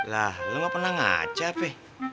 lah lu gak pernah ngaca peh